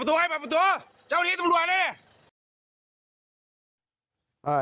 ตัวให้ปรับตัวเจ้านี้ตำรวจเนี่ย